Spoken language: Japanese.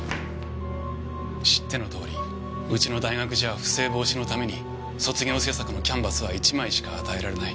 知ってのとおりうちの大学じゃ不正防止のために卒業制作のキャンバスは１枚しか与えられない。